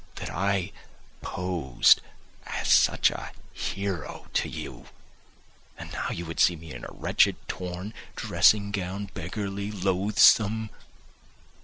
That I posed as such a hero to you, and now you would see me in a wretched torn dressing gown, beggarly, loathsome.